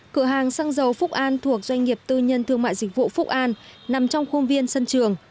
cửa hàng xăng dầu phúc an thuộc doanh nghiệp tư nhân thương mại dịch vụ phúc an nằm trong khuôn viên sân trường